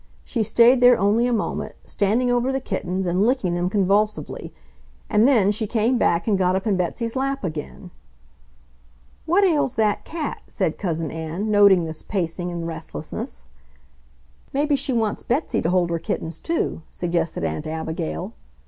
She stayed there only a moment, standing over the kittens and licking them convulsively, and then she came back and got up in Betsy's lap again. "What ails that cat?" said Cousin Ann, noting this pacing and restlessness. "Maybe she wants Betsy to hold her kittens, too," suggested Aunt Abigail.